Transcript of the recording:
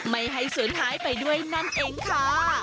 ไม่ให้สูญหายไปด้วยนั่นเองค่ะ